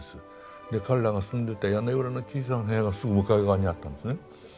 で彼らが住んでた屋根裏の小さな部屋がすぐ向かい側にあったんですね。